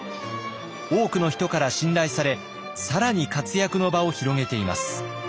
多くの人から信頼され更に活躍の場を広げています。